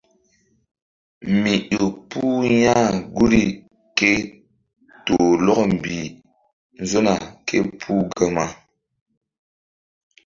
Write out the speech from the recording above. Mi ƴo puh ya̧h guri ke toh lɔkɔ mbih nzona ké puh Gama.